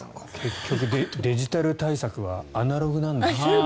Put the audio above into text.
結局デジタル対策はアナログなんですね。